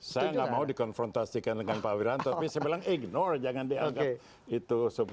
saya nggak mau dikonfrontasikan dengan pak wiranto tapi saya bilang ignore jangan diangkat